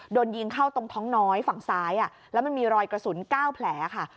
โดนยิงเข้าตรงท้องน้อยฝั่งซ้ายแล้วมันมีรอยกระสุน๙แผลค่ะ